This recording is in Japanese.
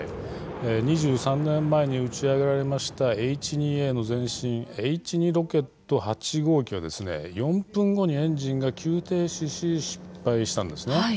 ２３年前に打ち上げられましたＨ２Ａの前身Ｈ２ロケット８号機は４分後にエンジンが急停止し失敗したんですね。